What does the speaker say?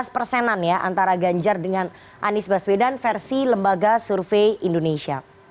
lima belas persenan ya antara ganjar dengan anies baswedan versi lembaga survei indonesia